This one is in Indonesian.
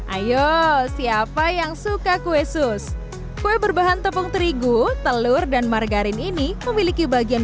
ayo siapa yang suka kue sus kue berbahan tepung terigu telur dan margarin ini memiliki bagian